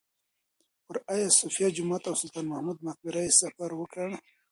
پر ایا صوفیه جومات او سلطان محمود مقبره یې سفر وکړ.